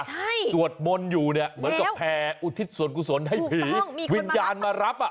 ใช่สวดมนต์อยู่เนี่ยเหมือนกับแผ่อุทิศส่วนกุศลให้ผีวิญญาณมารับอ่ะ